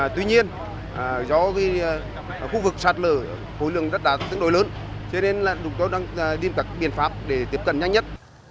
tuy nhiên do khu vực sạt lở khối lượng rất là tương đối lớn cho nên chúng tôi đang điêm cặt biện pháp để tiếp cận nhanh nhất